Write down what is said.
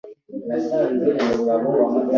Ndirukanwe kuko natinze gukora cyane.